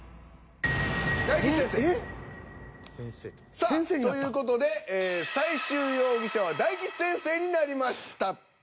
さあという事で最終容疑者は大吉先生になりました。